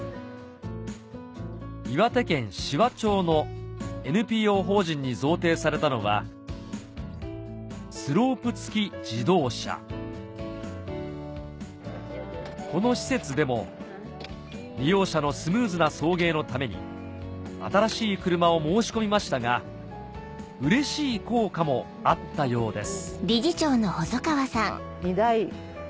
岩手県紫波町のＮＰＯ法人に贈呈されたのはこの施設でも利用者のスムーズな送迎のために新しい車を申し込みましたがうれしい効果もあったようです